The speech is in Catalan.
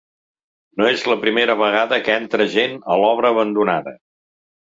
No és la primera vegada que entra gent a l’obra abandonada.